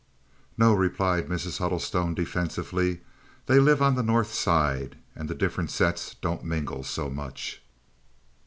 "No," replied Mrs. Huddlestone, defensively. "They live on the North Side, and the different sets don't mingle so much."